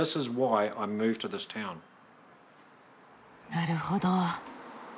なるほど。